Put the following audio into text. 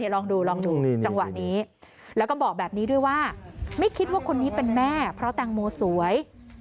ลองดูลองดูจังหวะนี้แล้วก็บอกแบบนี้ด้วยว่าไม่คิดว่าคนนี้เป็นแม่เพราะแตงโมสวย